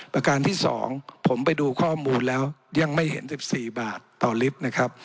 ประการที่๒ผมไปดูข้อมูลแล้วยังไม่เห็น๑๔บาทต่อลิตรนะครับ